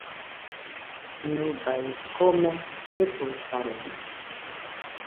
Nɨbai kome jefosaroma.